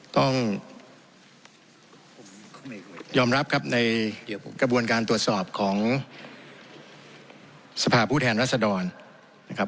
ต้องยอมรับครับในกระบวนการตรวจสอบของสภาพผู้แทนรัศดรนะครับ